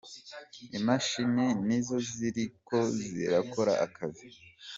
"Imashini ni zo ziriko zirakora akazi.